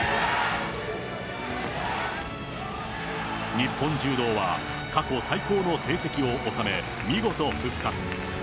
日本柔道は過去最高の成績を収め、見事復活。